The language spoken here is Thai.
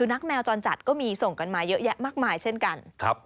แมวจรจัดก็มีส่งกันมาเยอะแยะมากมายเช่นกัน